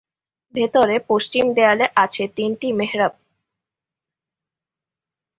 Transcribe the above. ভিতরে পশ্চিম দেয়ালে আছে তিনটি মেহরাব।